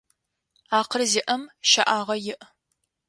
Акъыл зиӏэм щэӏагъэ иӏ.